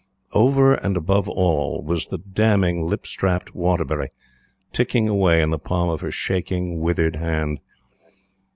Over and above all, was the damning lip strapped Waterbury, ticking away in the palm of her shaking, withered hand.